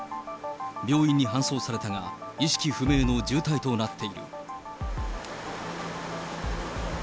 病院に搬送されたが、意識不明の重体となっている。